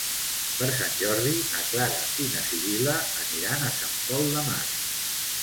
Per Sant Jordi na Clara i na Sibil·la aniran a Sant Pol de Mar.